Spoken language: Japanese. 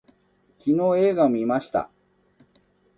昨日映画を見ました